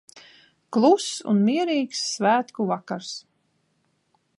Kluss un mierīgs svētku vakars.